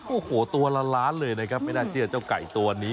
โอ้โหตัวละล้านเลยนะครับไม่น่าเชื่อเจ้าไก่ตัวนี้